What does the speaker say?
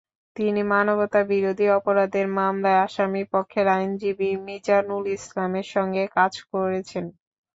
তিনি মানবতাবিরোধী অপরাধের মামলায় আসামিপক্ষের আইনজীবী মিজানুল ইসলামের সঙ্গে কাজ করেছেন।